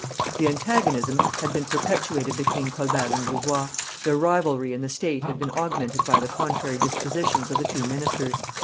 The antagonism had been perpetuated between Colbert and Louvois; their rivalry in the state had been augmented by the contrary dispositions of the two ministers.